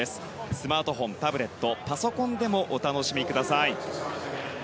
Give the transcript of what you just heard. スマートフォン、タブレットパソコンでもお楽しみください。